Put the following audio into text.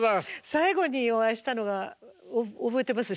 最後にお会いしたのが覚えてます？